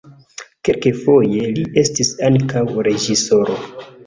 Kelkfoje li estis ankaŭ reĝisoro.